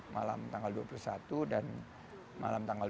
malam tanggal dua puluh satu dan malam tanggal dua puluh